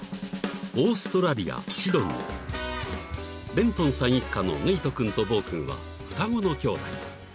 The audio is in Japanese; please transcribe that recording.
［レントンさん一家のネイト君とボー君は双子の兄弟］